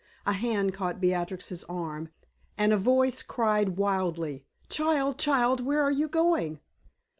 A hand caught Beatrix's arm, and a voice cried wildly: "Child! child! where are you going?"